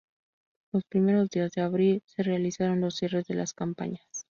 Los primeros días de abril se realizaron los cierres de las campañas.